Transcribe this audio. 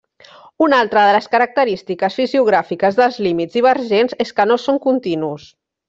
Una altra de les característiques fisiogràfiques dels límits divergents és que no són continus.